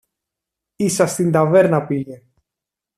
Ίσα στην ταβέρνα πήγε.